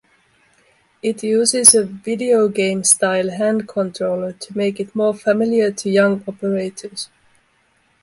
It uses a videogame-style hand controller to make it more familiar to young operators.